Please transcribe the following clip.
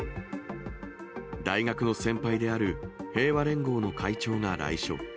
大学の先輩である平和連合の会長が来所。